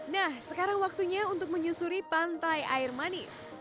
nah sekarang waktunya untuk menyusuri pantai air manis